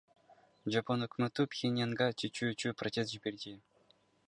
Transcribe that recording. Жапон өкмөтү Пхеньянга чечүүчү протест жиберди.